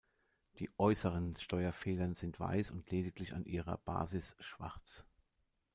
Die äußeren Steuerfedern sind weiß und lediglich an ihrer Basis schwarz.